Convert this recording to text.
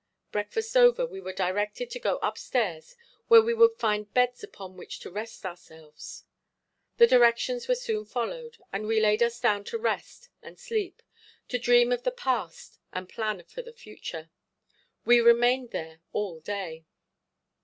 Breakfast over we were directed to go up stairs where we would find beds upon which to rest ourselves. The directions were soon followed, and we laid us down to rest and sleep, to dream of the past and plan for the future. We remained there all day.